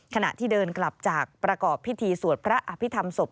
ขณะที่เดินกลับจากประกอบพิธีสวดพระอภิษฐรรมศพ